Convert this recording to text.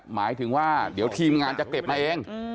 หมายถึงว่าเดี๋ยวทีมงานจะเก็บมาเอง